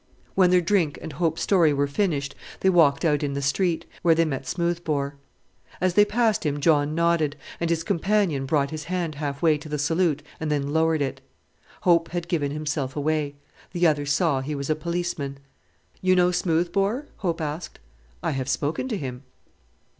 When their drink and Hope's story were finished they walked out in the street, where they met Smoothbore. As they passed him John nodded, and his companion brought his hand half way to the salute and then lowered it. Hope had given himself away; the other saw he was a policeman. "You know Smoothbore?" Hope asked. "I have spoken to him."